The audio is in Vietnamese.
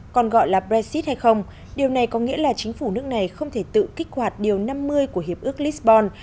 còn gọi là brexit hay không điều này có nghĩa là chính phủ nước này không thể tự kích hoạt điều năm mươi của hiệp ước lisbon